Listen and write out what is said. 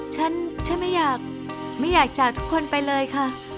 ฉันไม่อยากจากทุกคนไปเลยค่ะ